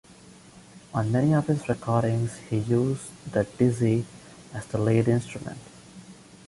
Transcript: On many of his recordings he uses the "dizi" as the lead instrument.